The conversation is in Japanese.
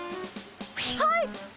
はい！